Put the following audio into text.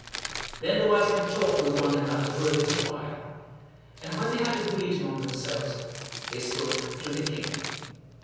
Then the wise men talked with one another for a little while, and when they had agreed among themselves, they spoke to the king.